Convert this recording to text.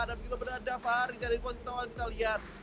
dan kita beneran daftar kita lihat